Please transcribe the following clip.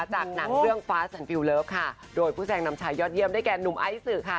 จากหนังเรื่องฟ้าสันฟิลเลิฟค่ะโดยผู้แซงนำชายยอดเยี่ยมได้แก่หนุ่มไอซ์สื่อค่ะ